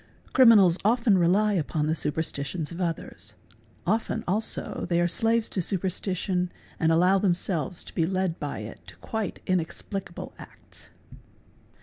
Criminals often rely upon the superstitions of others; often also they are slaves to superstition and allow themselves to be led by it to quite 'inexplicable acts.